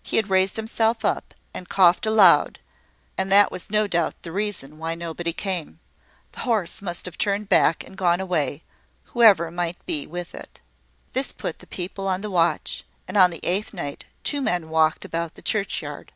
He had raised himself up, and coughed aloud, and that was no doubt the reason why nobody came: the horse must have turned back and gone away, whoever might be with it. This put people on the watch; and on the eighth night two men walked about the churchyard.